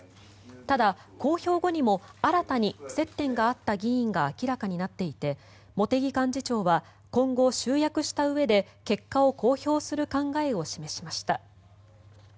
ただ、公表後にも新たに接点があった議員が明らかになっていて茂木幹事長は今後、集約したうえで結果を公表する考えを示しました。